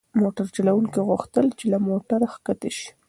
موټر چلونکي غوښتل چې له موټره کښته شي.